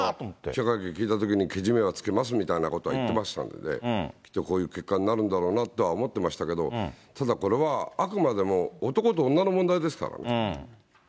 記者会見聞いたときに、けじめはつけますみたいなことは言ってましたので、きっとこういう結果になるんだろうなとは思ってましたけど、ただこれは、あくまでも男と女の問題ですから。